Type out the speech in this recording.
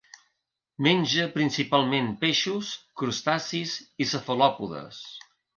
Menja principalment peixos, crustacis i cefalòpodes.